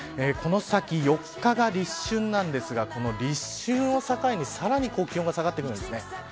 この先、４日が立春なんですがこの立春を境にさらに気温が下がってきます。